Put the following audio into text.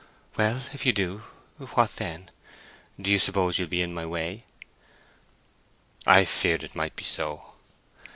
"Well, if you do, what then? Do you suppose you'll be in my way?" "I feared it might be so."